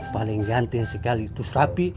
paling yantin sekali terus rapi